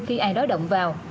khi ai đó động vào